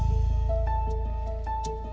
dek aku mau ke sana